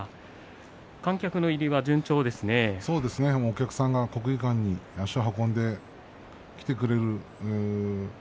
お客さんが国技館に足を運んできてくれる